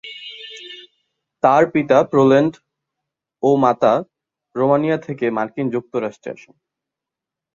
তার পিতা পোল্যান্ড ও মাতা রোমানিয়া থেকে মার্কিন যুক্তরাষ্ট্রে আসেন।